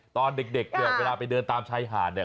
ตอนเด็กเวลาไปเดินตามชายห่านเนี่ย